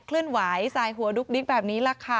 เลื่อนไหวสายหัวดุ๊กดิ๊กแบบนี้แหละค่ะ